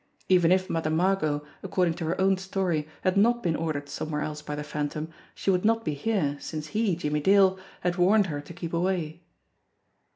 Even if Mother Margot, according to her own story, had not been ordered somewhere else by the Phantom, she would not be here since he, Jimmie Dale, had warned her to keep away.